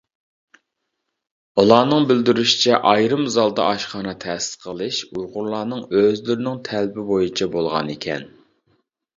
ئۇلارنىڭ بىلدۈرۈشىچە ئايرىم زالدا ئاشخانا تەسىس قىلىشى ئۇيغۇرلارنىڭ ئۆزلىرىنىڭ تەلىپى بويىچە بولغان ئىكەن.